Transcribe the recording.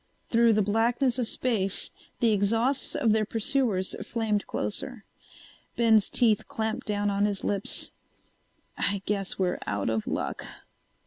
Through the blackness of space the exhausts of their pursuers flamed closer. Ben's teeth clamped down on his lips. "I guess we're out of luck."